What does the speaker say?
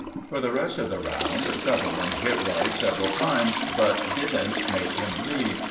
For the rest of the round Sutherland hit Rice several times, but didn't make him bleed.